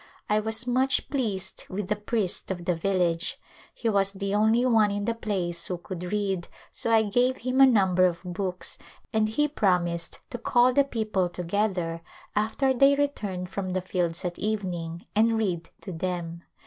I was much pleased with the priest of the village. He was the only one in the place who could read, so I gave him a number of books and he promised to call the people together after they returned from the fields at evening and read to them.